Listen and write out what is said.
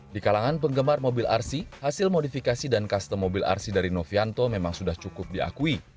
di kalangan penggemar mobil rc hasil modifikasi dan custom mobil rc dari novianto memang sudah cukup diakui